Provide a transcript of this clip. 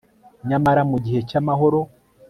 Nyamara mu gihe cyamahoro